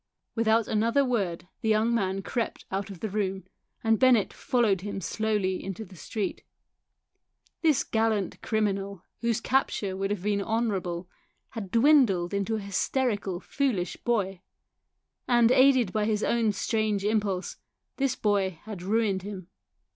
I Without another word the young man crept out of the room, and Bennett followed him slowly into the street. This gallant criminal, whose capture would have been honourable, had dwindled to a hysterical foolish boy ; and aided by his own strange impulse this boy had ruined him.